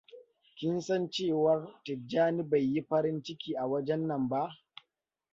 Kin san cewar Tijjani bai yi farin ciki a wajen nan ba?